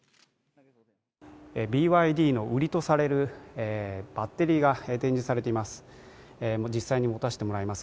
ＢＹＤの売りとされるバッテリーが展示されています。